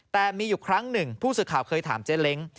แต่มีอยู่ครั้งหนึ่งผู้สื่อข่าวเคยถามเจ๊เล้ง